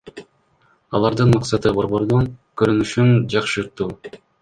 Алардын максаты — борбордун көрүнүшүн жакшыртуу.